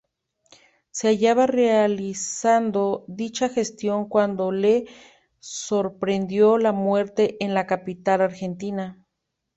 Se hallaba realizando dicha gestión cuando le sorprendió la muerte en la capital argentina.